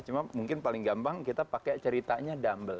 cuma mungkin paling gampang kita pakai ceritanya dumble